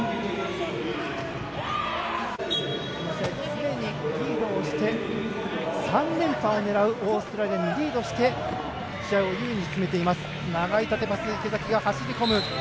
常にリードをして３連覇を狙うオーストラリアにリードして試合を優位に進めています。